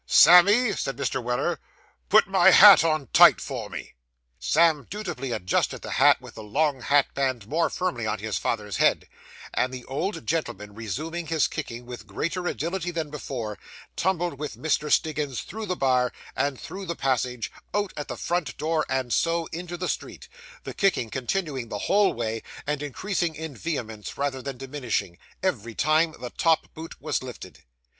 'Sammy,' said Mr. Weller, 'put my hat on tight for me.' Sam dutifully adjusted the hat with the long hatband more firmly on his father's head, and the old gentleman, resuming his kicking with greater agility than before, tumbled with Mr. Stiggins through the bar, and through the passage, out at the front door, and so into the street the kicking continuing the whole way, and increasing in vehemence, rather than diminishing, every time the top boot was lifted.